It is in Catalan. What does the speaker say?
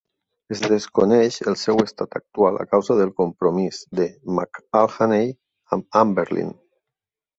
Es desconeix el seu estat actual a causa del compromís de McAlhaney amb Anberlin.